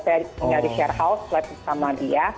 saya tinggal di share house selama dia